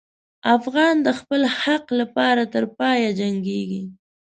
افغان د خپل حق لپاره تر پایه جنګېږي.